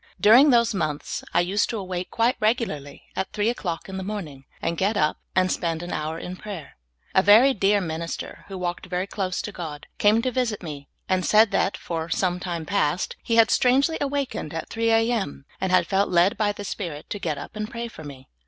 During those months I used to awake quite regularly at three o'clock in the morning, and get up and spend an hour in pra3'er. A very dear minister, who walked very close to God, came to visit me, and said that, for some time past, he had strangely awakened at 3 A. M., and had felt led by the Spirit to get up and pray for me.